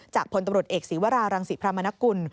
พลตำรวจเอกศีวรารังศิพรามนกุล